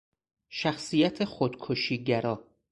شخصیت خودکشی گرا